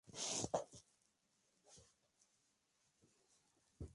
Ellos anunciaron su segundo solo, "Honey", en noviembre.